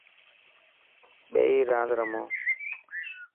ٻئي راند رمو.